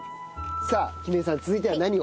さあ君恵さん続いては何を？